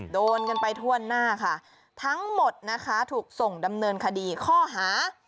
โดนกันไปทั่วหน้าค่ะทั้งหมดนะคะถูกส่งดำเนินคดีข้อหา